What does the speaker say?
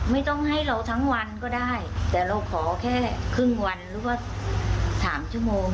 ไม่ต้องให้เราทั้งวันก็ได้แต่เราขอแค่ครึ่งวันหรือว่าสามชั่วโมง